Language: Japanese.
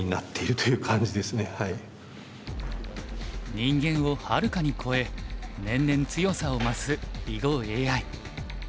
人間をはるかに超え年々強さを増す囲碁ＡＩ。